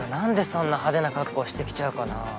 んでそんな派手な格好してきちゃうかな。